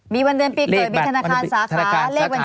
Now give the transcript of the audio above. มีวันเดือนปีเกิดวิทยาธนาคารสาขา